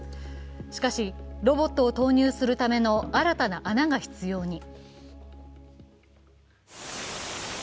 しかしロボットを投入するための新たな穴が必要に。